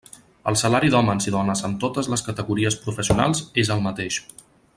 El salari d'hòmens i dones en totes les categories professionals és el mateix.